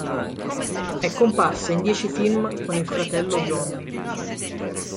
È comparsa in dieci film con il fratello John.